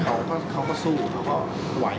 เขาก็สู้เขาก็ไหว